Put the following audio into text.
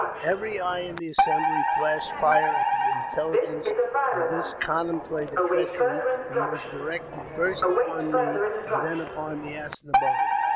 Every eye in the assembly flashed fire at the intelligence of this contemplated treachery, and was directed first upon me and then upon the As ne boines.